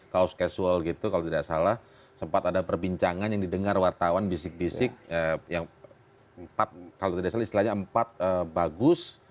kaos casual gitu kalau tidak salah sempat ada perbincangan yang didengar wartawan bisik bisik yang empat kalau tidak salah istilahnya empat bagus